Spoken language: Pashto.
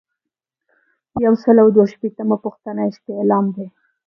یو سل او دوه شپیتمه پوښتنه استعلام دی.